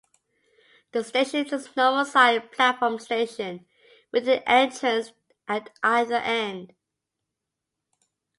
The station is a normal side platform station with an entrance at either end.